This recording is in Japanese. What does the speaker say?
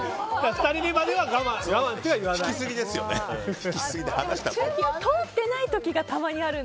２人目までは我慢する。